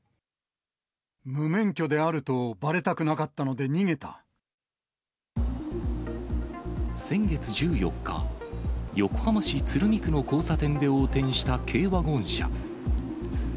無免許であるとばれたくなか先月１４日、横浜市鶴見区の交差点で横転した軽ワゴン車。